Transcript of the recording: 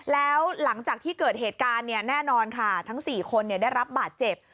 แล้วหลังจากที่เกิดเหตุการณ์แน่นอนค่ะทั้ง๔คนได้รับบาดเจ็บ